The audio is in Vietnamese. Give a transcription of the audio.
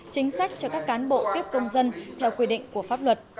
chính sách cho các cán bộ tiếp công dân theo quy định của pháp luật